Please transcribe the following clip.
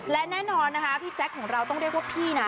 และแน่นอนนะคะพี่แจ๊คของเราต้องเรียกว่าพี่นะ